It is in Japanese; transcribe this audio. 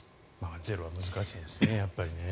ゼロは難しいですね。